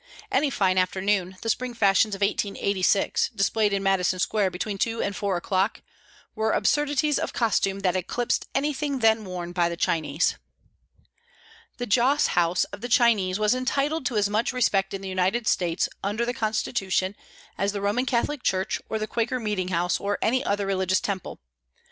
Any fine afternoon the spring fashions of 1886, displayed in Madison Square between two and four o'clock, were absurdities of costume that eclipsed anything then worn by the Chinese. The Joss House of the Chinese was entitled to as much respect in the United States, under the constitution, as the Roman Catholic church, or the Quaker Meeting house, or any other religious temple.